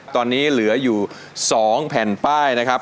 ตอนนี้เหลืออยู่๒แผ่นป้ายนะครับ